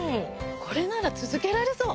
これなら続けられそう！